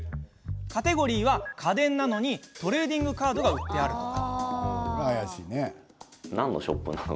カテゴリーは家電なのにトレーディングカードが売っているとか。